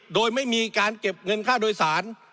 โดยไม่มีการเก็บเงินค่าโดยสาร